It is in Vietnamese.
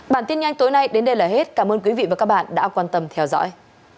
bản tin nhanh tối nay đến đây là hết cảm ơn quý vị và các bạn đã quan tâm theo dõi